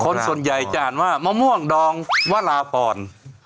คนส่วนใหญ่แจ่งว่ามะม่วงดองวอรพร